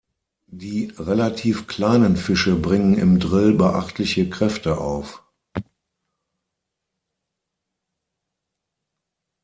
Die relativ kleinen Fische bringen im Drill beachtliche Kräfte auf.